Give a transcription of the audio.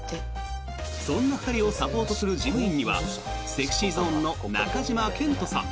そんな２人をサポートする事務員にはＳｅｘｙＺｏｎｅの中島健人さん。